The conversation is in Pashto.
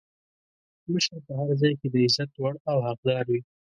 مشر په هر ځای کې د عزت وړ او حقدار وي.